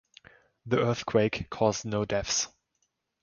The earthquake caused no deaths.